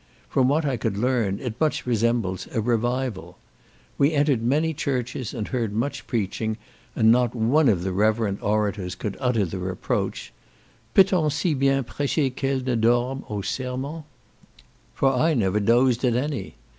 From what I could learn, it much resembles a Revival. We entered many churches, and heard much preaching, and not one of the reverend orators could utter the reproach, "Peut on si bien precher qu'elle ne dorme au sermon?" for I never even dosed at any.